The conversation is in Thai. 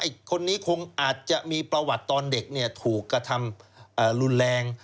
คนนี้คงอาจจะมีประวัติตอนเด็กถูกกระทำรุนแรง